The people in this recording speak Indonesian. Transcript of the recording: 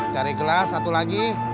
cari gelas satu lagi